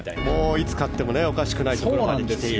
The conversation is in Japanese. いつ勝ってもおかしくない選手なんですが。